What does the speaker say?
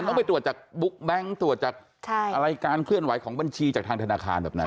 ต้องไปตรวจจากบุ๊กแบงค์ตรวจจากอะไรการเคลื่อนไหวของบัญชีจากทางธนาคารแบบไหน